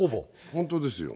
本当ですよ。